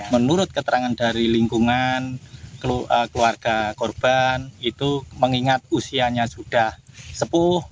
menurut keterangan dari lingkungan keluarga korban itu mengingat usianya sudah sepuh